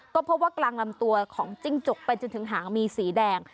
ก็พบว่ากลางลำตัวของจิ้งจกไปจนถึงหางมีสีแดง